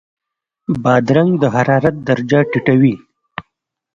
بادرنګ د حرارت درجه ټیټوي.